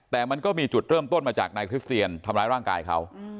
แต่มันก็มีจุดเริ่มต้นมาจากนายคริสเซียนทำร้ายร่างกายเขา